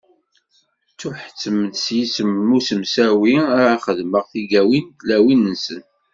Ttuḥettmen s yisem n usemsawi-a ad xedmen tigawin n tlawin-nsen.